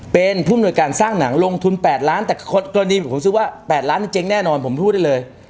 เป็นผู้มนวยการสร้างหนังลงทุน๘ล้านแต่กรณีผมซื้อว่า๘ล้านเจ๊งแน่นอนผมพูดได้เลย